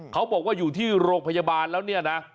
เขาบอกว่าอยู่ที่โรงพยาบาลแล้วเนี่ยนะ